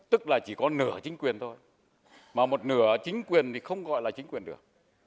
tức là chỉ có nửa chính quyền thôi mà một nửa chính quyền thì không gọi là chính quyền được